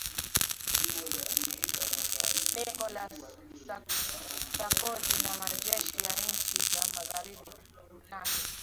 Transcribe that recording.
nicolas sarkozy na majeshi ya nchi za magharibi nato